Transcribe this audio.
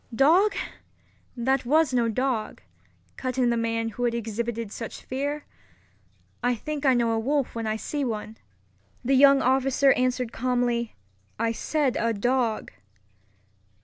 "Dog! that was no dog," cut in the man who had exhibited such fear. "I think I know a wolf when I see one." The young officer answered calmly, "I said a dog."